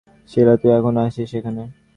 শীলা, তুই এখনো আছিস এখানে?